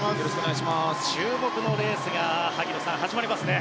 注目のレースが萩野さん始まりますね。